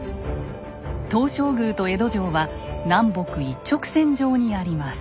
東照宮と江戸城は南北一直線上にあります。